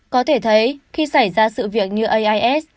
có thể thấy khi xảy ra sự việc như ais